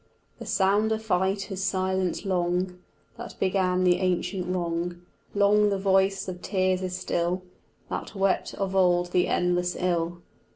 The sound of fight is silent long That began the ancient wrong; Long the voice of tears is still That wept of old the endless ill.